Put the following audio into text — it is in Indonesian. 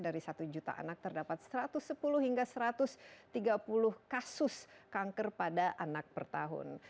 dari satu juta anak terdapat satu ratus sepuluh hingga satu ratus tiga puluh kasus kanker pada anak per tahun